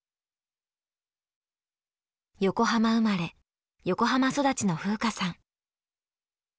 横浜生まれ横浜育ちの風花さん。